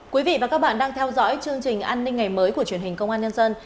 quý vị và các bạn đang theo dõi chương trình an ninh ngày mới của truyền hình công an nhân dân